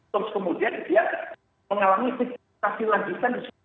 terus kemudian dia mengalami situasi lagisan disitu